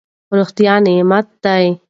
روغتیا نعمت دی.